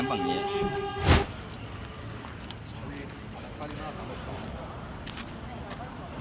อันที่สุดท้ายก็คือภาษาอันที่สุดท้ายก็คือภาษาอันที่สุดท้าย